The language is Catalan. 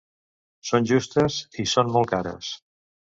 Són justes… i són molt cares.